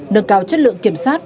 nâng cao chất lượng kiểm sát